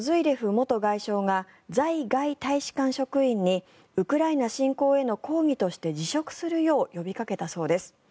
元外相が在外大使館職員にウクライナ侵攻への抗議として辞職するよう呼びかけたそうです。